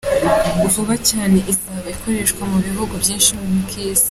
vuba cyane izaba ikorera mubihugu byinshi byo kwisi.